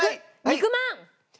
肉まん。